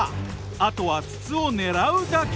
あとは筒を狙うだけ！